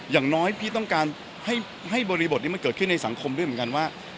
อย่างน้อยพี่ต้องการให้บริบทนี้มันเกิดขึ้นในสังคมด้วยเหมือนกันว่า